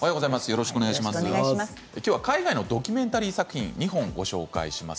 きょうは海外のドキュメンタリー作品を２本ご紹介します。